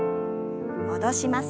戻します。